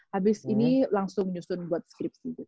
habis ini langsung nyusun buat skripsi gitu